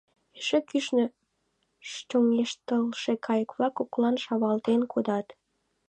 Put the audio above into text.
Эше кӱшнӧ чоҥештылше кайык-влак коклан шавалтен кодат.